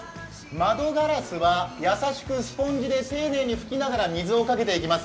窓ガラスは優しくスポンジで丁寧に拭きながら水をかけていきます。